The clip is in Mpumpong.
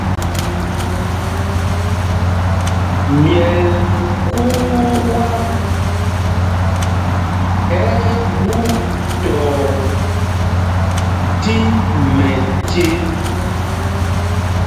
Myɛl kuu wam ɛ́ ɛ́ ɓutɔɔ tí mɛce.